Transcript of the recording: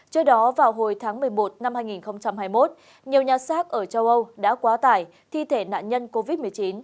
trước đó vào hồi tháng một mươi một năm hai nghìn hai mươi một nhiều nhà xác ở châu âu đã quá tải thi thể nạn nhân covid một mươi chín